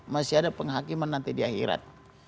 masih ada penghakiman nanti di akhirat